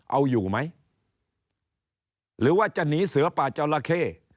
เอาอยู่ไหมหรือว่าจะหนีเสือป่าจราเข้